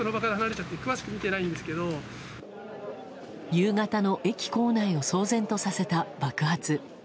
夕方の駅構内を騒然とさせた爆発。